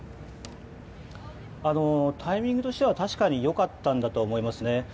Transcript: タイミングとしては確かに良かったんだと思います。